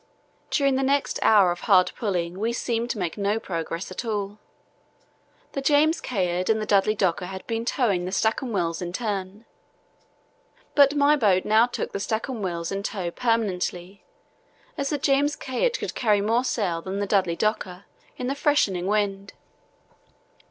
During the next hour of hard pulling we seemed to make no progress at all. The James Caird and the Dudley Docker had been towing the Stancomb Wills in turn, but my boat now took the Stancomb Wills in tow permanently, as the James Caird could carry more sail than the Dudley Docker in the freshening wind.